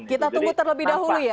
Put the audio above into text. kita tunggu terlebih dahulu ya